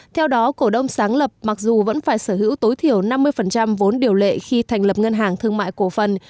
theo đó cổ đông sáng lập mặc dù vẫn phải sở hữu tối thiểu năm mươi vốn điều lệ khi thành lập ngân hàng thương mại cổ phần